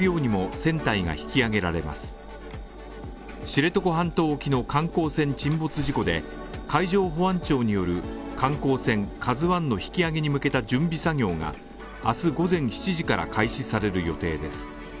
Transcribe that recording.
知床半島沖の観光船沈没事故で、海上保安庁による観光船「ＫＡＺＵ１」の引き揚げに向けた準備作業があす午前７時から開始される予定です。